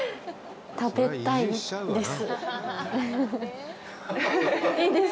食べたいです。